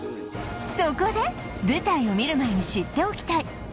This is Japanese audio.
そこで舞台を見る前に知っておきたい！